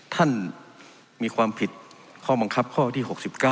ท่านมีความผิดข้อบังคับข้อที่๖๙